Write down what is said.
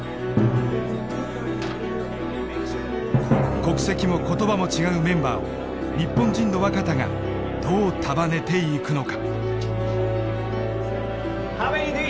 国籍も言葉も違うメンバーを日本人の若田がどう束ねていくのか。